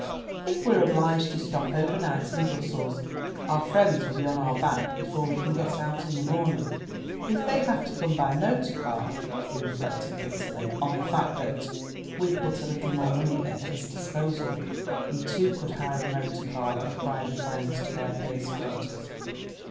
"If we're obliged to stop overnight in Brussels, our friends will be on our back before we can get out in the morning, if they have to come by motor car." He reflected bitterly on the fact that with but a little more money at his disposal, he too could hire a motor car and cry defiance to their persecutors.